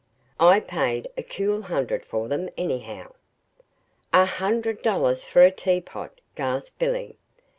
I paid a cool hundred for them, anyhow." "A hundred dollars for a teapot!" gasped Billy.